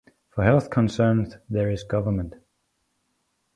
For health concern there is Govt.